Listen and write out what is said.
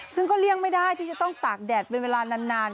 ซึ่งก็เลี่ยงไม่ได้ที่จะต้องตากแดดเป็นเวลานาน